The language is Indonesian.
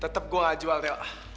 tetep gua gak jual teo